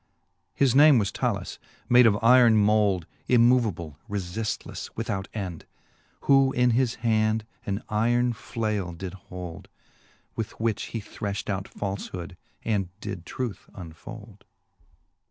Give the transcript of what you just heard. His name was Talus, made of yron mould. Immoveable, reiiftlefle, without end. Who in his hand an yron flale did hould. With which he threfht out faldiood, and did truth unfould.